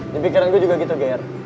di pikiran gue juga gitu geyer